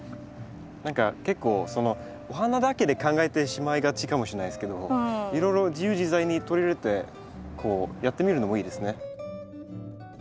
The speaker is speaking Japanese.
何か結構お花だけで考えてしまいがちかもしれないですけどいろいろ自由自在に取り入れてこうやってみるのもいいですね。